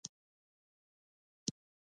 مصنوعي ځیرکتیا د تولید کچه لوړه وي.